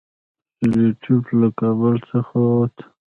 سټولیټوف له کابل څخه ووت.